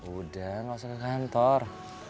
udah gak usah ke kantor